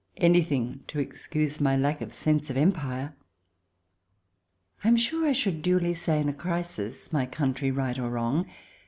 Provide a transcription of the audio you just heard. Anything to excuse my lack of sense of Empire ! I am sure I should duly say in a crisis :" My country, right or wrong!"